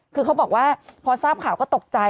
คือเขาบอกว่าพอทราบข่าวก็ตกใจ